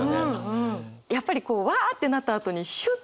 やっぱりこううわってなったあとにシュッて急に鎮静する。